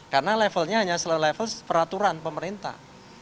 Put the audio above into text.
karena levelnya hanya seluruh level peraturan pemerintah